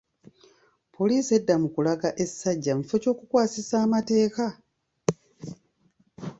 Poliisi edda etya mu kulaga essajja mu kifo ky’okukwasisa amateeka!